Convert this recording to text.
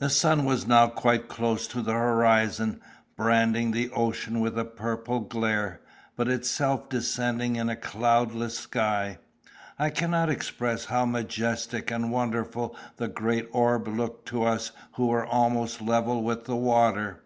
The sun was now quite close to the horizon, branding the ocean with a purple glare, but itself descending in a cloudless sky. I cannot express how majestic and wonderful the great orb looked to us who were almost level with the water.